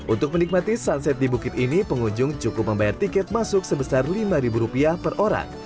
untuk menikmati sunset di bukit ini pengunjung cukup membayar tiket masuk sebesar lima rupiah per orang